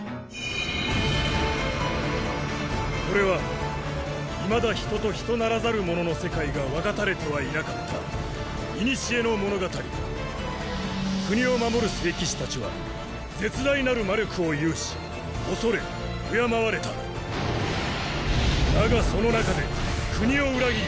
これはいまだ人と人ならざるものの世界が分かたれてはいなかった古の物語国を守る聖騎士たちは絶大なる魔力を有し恐れ敬われただがその中で国を裏切り